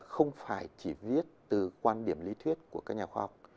không phải chỉ viết từ quan điểm lý thuyết của các nhà khoa học